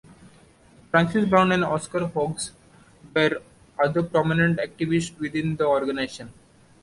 Francis Brown and Oscar Hoggs were other prominent activists within the organization.